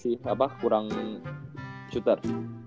gue masih kurang shooter